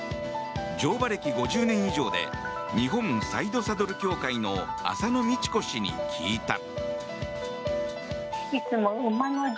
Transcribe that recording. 乗馬歴５０年以上で日本サイドサドル協会の浅野道子氏に聞いた。